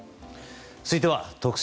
続いては特選！！